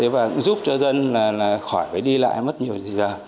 và giúp cho dân khỏi phải đi lại mất nhiều thời gian